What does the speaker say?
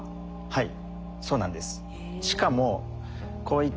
はい。